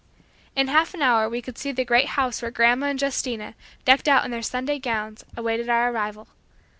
In half an hour we could see the great house where grandma and Justina, decked out in their Sunday gowns, awaited our arrival.